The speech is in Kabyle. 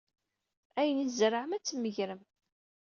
Ayen ay tzerɛem, ad t-tmegrem.